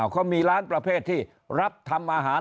เขามีร้านประเภทที่รับทำอาหาร